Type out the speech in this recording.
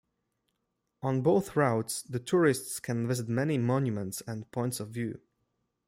On both routes the tourists can visit many monuments and points of view.